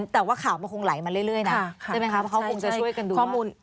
แต่ว่าข่าวมันคงไหลมาเรื่อยนะ